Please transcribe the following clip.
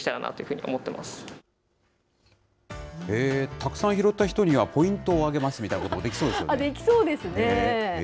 たくさん拾った人にはポイントをあげますみたいなこともできできそうですね。